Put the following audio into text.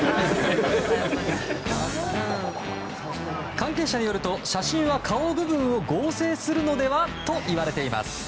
関係者によると写真は顔部分を合成するのではと言われています。